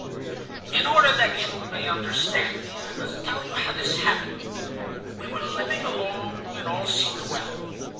"In order that you may understand me, I must tell you how this happened. We were living along, and all seemed well.